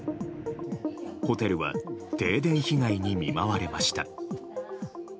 ホテルは停電被害に見舞われました。